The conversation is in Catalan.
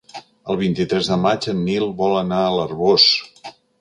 El vint-i-tres de maig en Nil vol anar a l'Arboç.